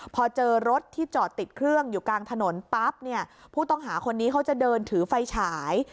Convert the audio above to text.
พอเจอรถที่จอดติดเครื่องอยู่กลางถนนปั๊บเนี่ยผู้ต้องหาคนนี้เขาจะเดินถือไฟฉาย